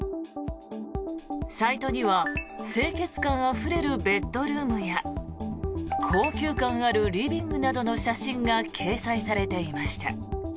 サイトには清潔感あふれるベッドルームや高級感あるリビングなどの写真が掲載されていました。